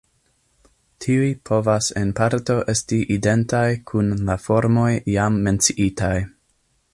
Tiuj povas en parto esti identaj kun la formoj jam menciitaj.